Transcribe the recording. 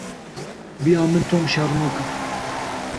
Bi ya min Tom şermok e.